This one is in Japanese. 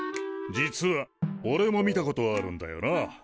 実はおれも見たことあるんだよな。